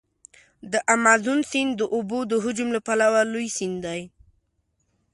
د امازون سیند د اوبو د حجم له پلوه لوی سیند دی.